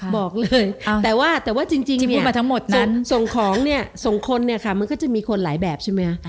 บอกเลยแต่ว่าจริงส่งของส่งคนมันก็จะมีคนหลายแบบใช่ไหม